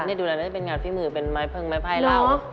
เนี่ยดูแล้วมันน่าจะเป็นงานพี่มือเป็นไม้เพิ่งไม้ไพราว